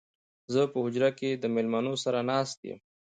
زه په حجره کې د مېلمنو سره ناست يم